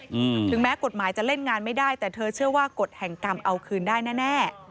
อืมถึงแม้กฎหมายจะเล่นงานไม่ได้แต่เธอเชื่อว่ากฎแห่งกรรมเอาคืนได้แน่แน่